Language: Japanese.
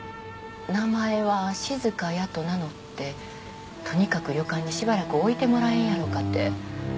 名前は静香やと名乗ってとにかく旅館にしばらく置いてもらえんやろかて。